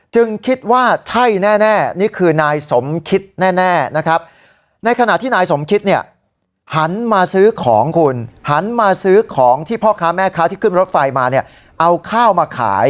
คิดว่าใช่แน่นี่คือนายสมคิดแน่นะครับในขณะที่นายสมคิดเนี่ยหันมาซื้อของคุณหันมาซื้อของที่พ่อค้าแม่ค้าที่ขึ้นรถไฟมาเนี่ยเอาข้าวมาขาย